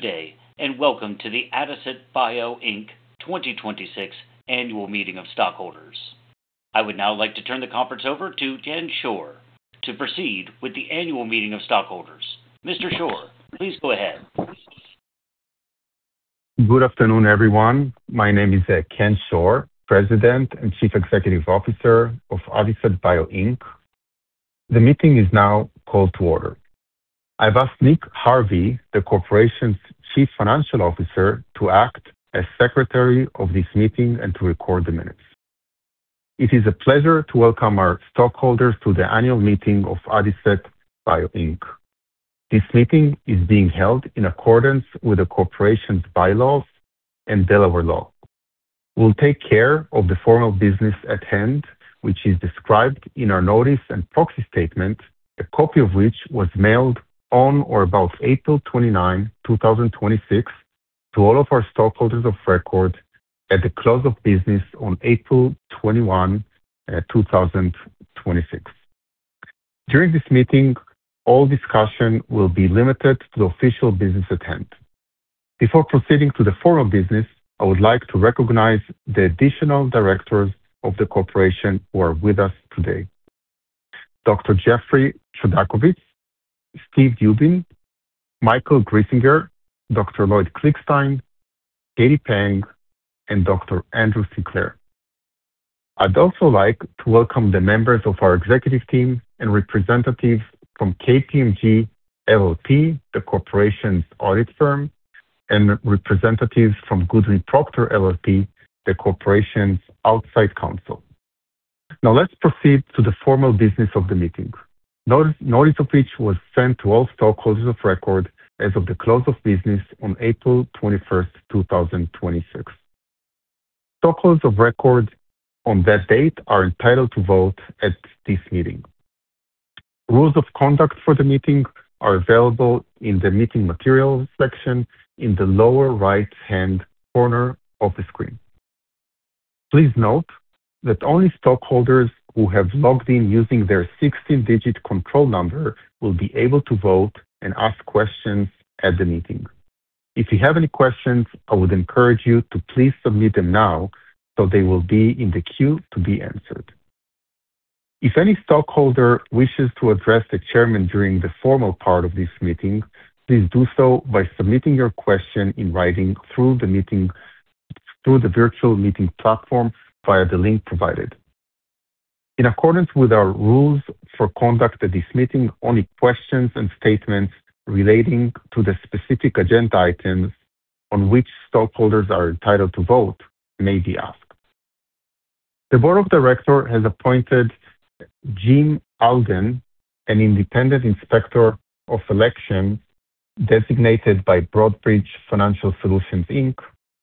Good day, welcome to the Adicet Bio Inc. 2026 annual meeting of stockholders. I would now like to turn the conference over to Chen Schor to proceed with the annual meeting of stockholders. Mr. Schor, please go ahead. Good afternoon, everyone. My name is Chen Schor, President and Chief Executive Officer of Adicet Bio Inc. The meeting is now called to order. I've asked Nick Harvey, the corporation's Chief Financial Officer, to act as Secretary of this meeting and to record the minutes. It is a pleasure to welcome our stockholders to the annual meeting of Adicet Bio Inc. This meeting is being held in accordance with the corporation's bylaws and Delaware law. We'll take care of the formal business at hand, which is described in our notice and proxy statement, a copy of which was mailed on or about April 29, 2026, to all of our stockholders of record at the close of business on April 21, 2026. During this meeting, all discussion will be limited to the official business at hand. Before proceeding to the formal business, I would like to recognize the additional directors of the corporation who are with us today. Dr. Jeffrey Chodakewitz, Steve Dubin, Michael Grissinger, Dr. Lloyd Klickstein, Katie Peng, and Dr. Andrew Sinclair. I'd also like to welcome the members of our executive team and representatives from KPMG LLP, the corporation's audit firm, and representatives from Goodwin Procter LLP, the corporation's outside counsel. Let's proceed to the formal business of the meeting. Notice of which was sent to all stockholders of record as of the close of business on April 21st, 2026. Stockholders of record on that date are entitled to vote at this meeting. Rules of conduct for the meeting are available in the Meeting Materials section in the lower right-hand corner of the screen. Please note that only stockholders who have logged in using their 16-digit control number will be able to vote and ask questions at the meeting. If you have any questions, I would encourage you to please submit them now so they will be in the queue to be answered. If any stockholder wishes to address the chairman during the formal part of this meeting, please do so by submitting your question in writing through the virtual meeting platform via the link provided. In accordance with our rules for conduct at this meeting, only questions and statements relating to the specific agenda items on which stockholders are entitled to vote may be asked. The Board of Director has appointed Jim Alden, an independent Inspector of Election, designated by Broadridge Financial Solutions, Inc.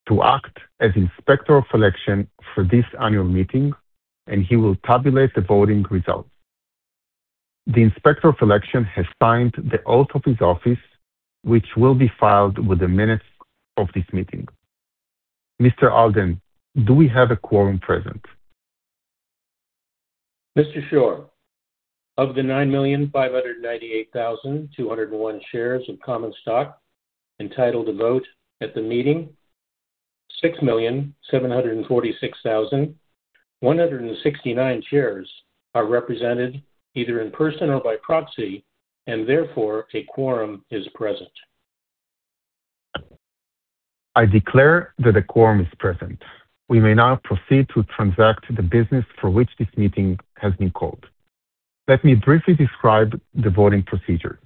to act as Inspector of Election for this annual meeting, and he will tabulate the voting results. The Inspector of Election has signed the oath of his office, which will be filed with the minutes of this meeting. Mr. Alden, do we have a quorum present? Mr. Schor, of the 9,598,201 shares of common stock entitled to vote at the meeting, 6,746,169 shares are represented either in person or by proxy, and therefore, a quorum is present. I declare that a quorum is present. We may now proceed to transact the business for which this meeting has been called. Let me briefly describe the voting procedure.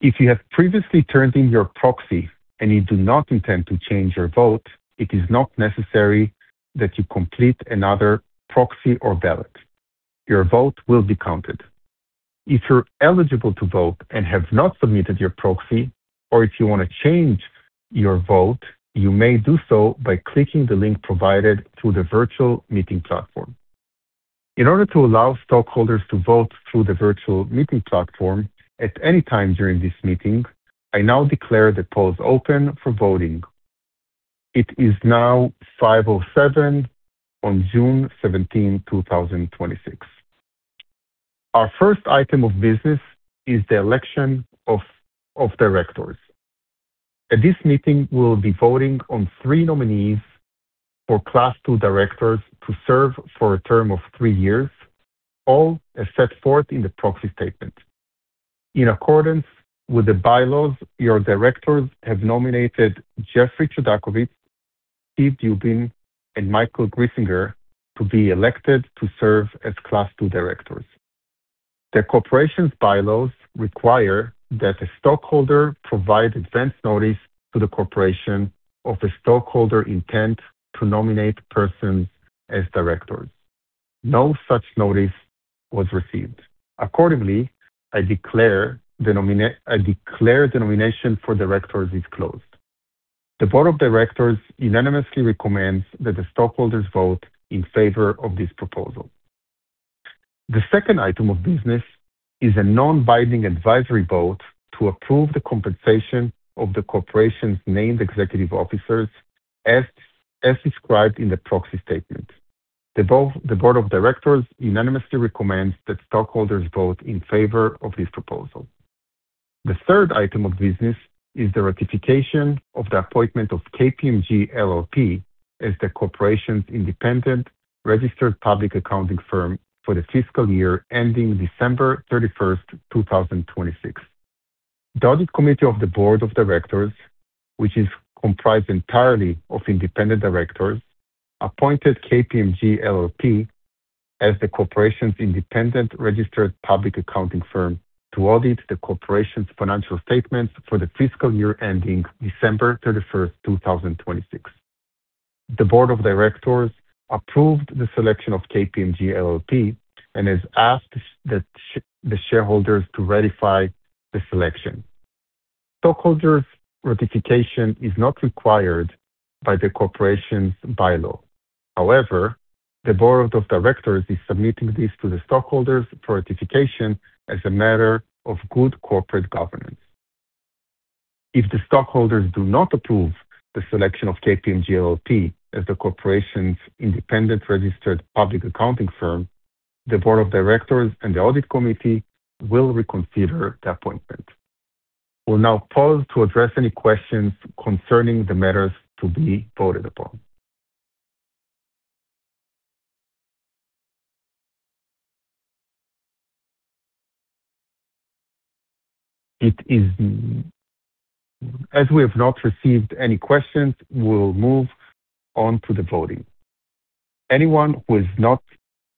If you have previously turned in your proxy and you do not intend to change your vote, it is not necessary that you complete another proxy or ballot. Your vote will be counted. If you are eligible to vote and have not submitted your proxy, or if you want to change your vote, you may do so by clicking the link provided through the virtual meeting platform. In order to allow stockholders to vote through the virtual meeting platform at any time during this meeting, I now declare the polls open for voting. It is now 5:07 P.M. on June 17, 2026. Our first item of business is the election of directors. At this meeting, we will be voting on three nominees for Class II directors to serve for a term of three years, all as set forth in the proxy statement. In accordance with the bylaws, your directors have nominated Jeffrey Chodakewitz, Steve Dubin, and Michael Grissinger to be elected to serve as Class II directors. The corporation's bylaws require that a stockholder provide advance notice to the corporation of a stockholder intent to nominate persons as directors. No such notice was received. Accordingly, I declare the nomination for directors is closed. The Board of Directors unanimously recommends that the stockholders vote in favor of this proposal. The second item of business is a non-binding advisory vote to approve the compensation of the corporation's named executive officers as described in the proxy statement. The Board of Directors unanimously recommends that stockholders vote in favor of this proposal. The third item of business is the ratification of the appointment of KPMG LLP as the corporation's independent registered public accounting firm for the fiscal year ending December 31st, 2026. The audit committee of the Board of Directors, which is comprised entirely of independent directors, appointed KPMG LLP as the corporation's independent registered public accounting firm to audit the corporation's financial statements for the fiscal year ending December 31st, 2026. The Board of Directors approved the selection of KPMG LLP and has asked the shareholders to ratify the selection. Stockholders' ratification is not required by the corporation's bylaws. However, the Board of Directors is submitting this to the stockholders for ratification as a matter of good corporate governance. If the stockholders do not approve the selection of KPMG LLP as the corporation's independent registered public accounting firm, the Board of Directors and the audit committee will reconsider the appointment. We'll now pause to address any questions concerning the matters to be voted upon. As we have not received any questions, we will move on to the voting. Anyone who has not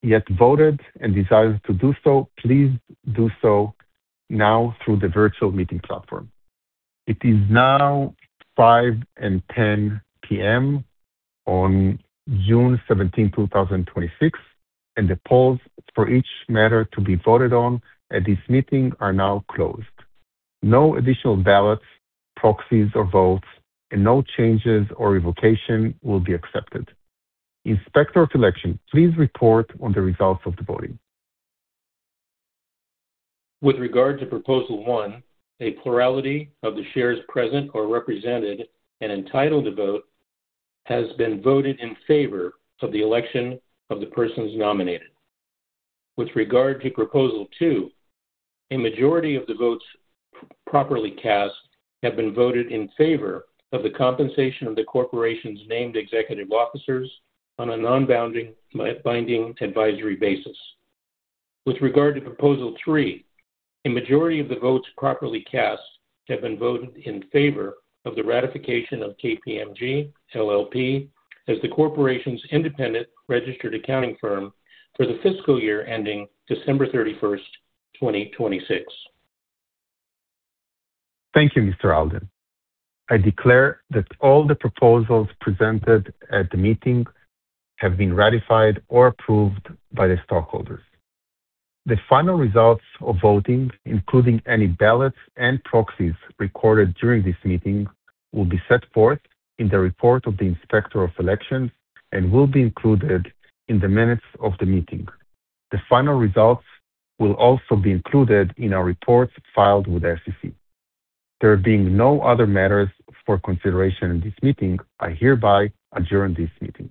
yet voted and desires to do so, please do so now through the virtual meeting platform. It is now 5:10 P.M. on June 17th, 2026, and the polls for each matter to be voted on at this meeting are now closed. No additional ballots, proxies, or votes, and no changes or revocation will be accepted. Inspector of Election, please report on the results of the voting. With regard to proposal one, a plurality of the shares present or represented and entitled to vote has been voted in favor of the election of the persons nominated. With regard to proposal two, a majority of the votes properly cast have been voted in favor of the compensation of the corporation's named executive officers on a non-binding advisory basis. With regard to proposal three, a majority of the votes properly cast have been voted in favor of the ratification of KPMG LLP as the corporation's independent registered accounting firm for the fiscal year ending December 31st, 2026. Thank you, Mr. Alden. I declare that all the proposals presented at the meeting have been ratified or approved by the stockholders. The final results of voting, including any ballots and proxies recorded during this meeting, will be set forth in the report of the Inspector of Election and will be included in the minutes of the meeting. The final results will also be included in our reports filed with the SEC. There being no other matters for consideration in this meeting, I hereby adjourn this meeting.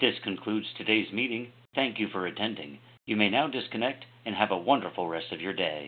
This concludes today's meeting. Thank you for attending. You may now disconnect and have a wonderful rest of your day.